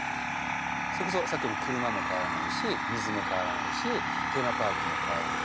それこそさっきの車も変わらないし水も変わらないしテーマパークも変わらないし。